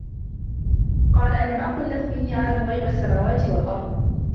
قَالَ أَلَمْ أَقُلْ لَكُمْ إِنِّي أَعْلَمُ غَيْبَ السَّمَاوَاتِ وَالْأَرْضِ